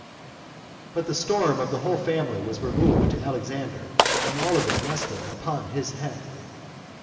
7. But the storm of the whole family was removed to Alexander, and all of it rested upon his head.